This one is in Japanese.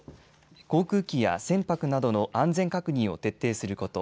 航空機や船舶などの安全確認を徹底すること。